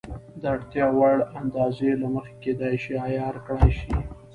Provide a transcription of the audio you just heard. د اړتیا وړ اندازې له مخې کېدای شي عیار کړای شي.